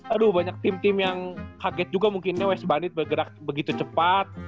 aduh banyak tim tim yang kaget juga mungkinnya west bandit bergerak begitu cepat